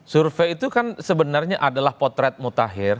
survei itu kan sebenarnya adalah potret mutakhir